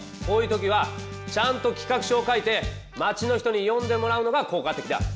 こういう時はちゃんと「企画書」を書いて町の人に読んでもらうのが効果的だ！